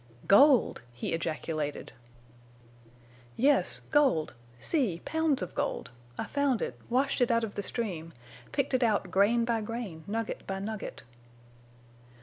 "Gold!" he ejaculated. "Yes, gold! See, pounds of gold! I found it—washed it out of the stream—picked it out grain by grain, nugget by nugget!"